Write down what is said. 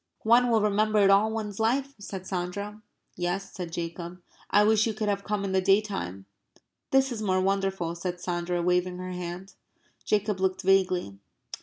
"One will remember it all one's life," said Sandra. "Yes," said Jacob. "I wish you could have come in the day time." "This is more wonderful," said Sandra, waving her hand. Jacob looked vaguely.